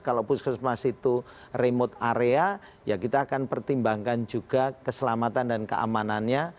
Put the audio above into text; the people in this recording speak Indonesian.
kalau puskesmas itu remote area ya kita akan pertimbangkan juga keselamatan dan keamanannya